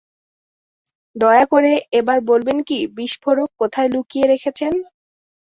দয়া করে এবার বলবেন কি বিস্ফোরক কোথায় লুকিয়ে রেখেছেন?